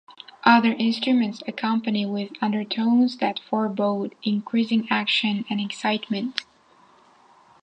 Other instruments accompany with undertones that forebode increasing action and excitement.